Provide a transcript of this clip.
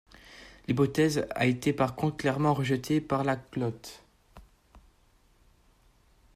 L'hypothèse a été par contre clairement rejetée par Laclotte.